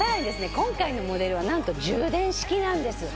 今回のモデルは何と充電式なんです。